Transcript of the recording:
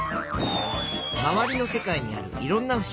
まわりの世界にあるいろんなふしぎ。